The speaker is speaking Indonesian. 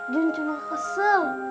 jun cuma kesel